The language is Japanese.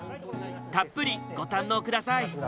たっぷりご堪能下さい。